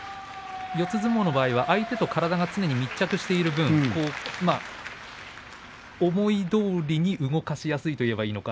四つ相撲は相手と体が密着している分思いどおりに動かしやすいというのか。